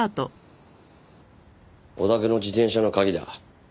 お宅の自転車の鍵だ。